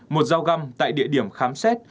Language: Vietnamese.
một dao găm tại địa điểm khám xét